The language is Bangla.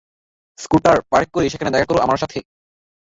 স্কুটার পার্ক করে ভেতরে দেখা কর আমার সাথে।